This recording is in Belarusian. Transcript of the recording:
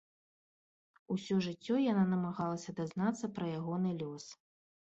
Усё жыццё яна намагалася дазнацца пра ягоны лёс.